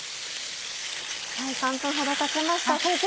３分ほどたちました先生